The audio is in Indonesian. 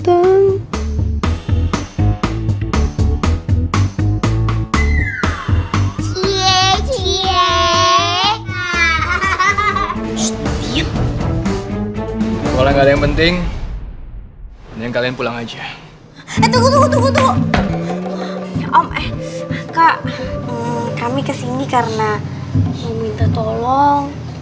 om eh kak kami kesini karena mau minta tolong